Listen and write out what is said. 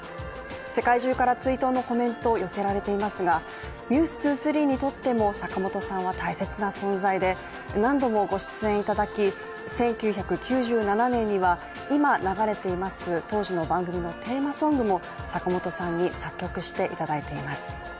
世界中から追悼のコメント寄せられていますが「ｎｅｗｓ２３」にとっても坂本さんは大切な存在で何度もご出演いただき、１９９７年には今流れています当時の番組のテーマソングも坂本さんに作曲していただいています。